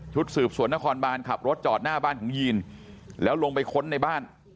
สืบสวนนครบานขับรถจอดหน้าบ้านของยีนแล้วลงไปค้นในบ้าน